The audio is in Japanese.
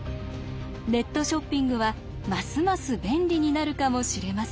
ショッピングはますます便利になるかもしれません。